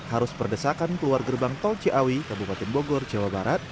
harus perdesakan keluar gerbang tol ciawi ke bupati bogor jawa barat